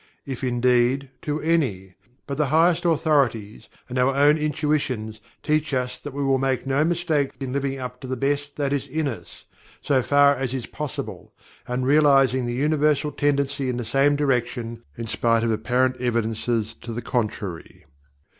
if, indeed, to any but the highest authorities, and our own intuitions, teach us that we will make no mistake in living up to the best that is in us, so far as is possible, and realising the Universal tendency in the same direction in spite of apparent evidence to the contrary.